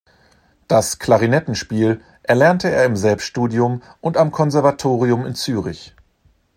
Das Klarinettenspiel erlernte er im Selbststudium und am Konservatorium in Zürich.